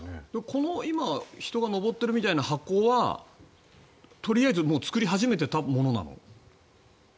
この人が上ってるみたいな箱はとりあえず作り始めていたものなの？